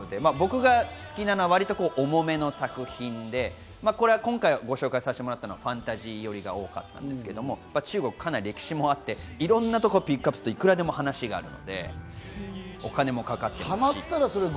僕が好きなのは重めの作品で、今回、ご紹介させてもらったのはファンタジーよりが多かったんですけれど、中国はかなり歴史もあって、いろんなところをピックアップすると、いくらでも話があるので、お金もかかってます。